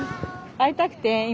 会いたくて今。